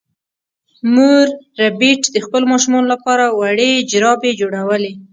مور ربیټ د خپلو ماشومانو لپاره وړې جرابې جوړولې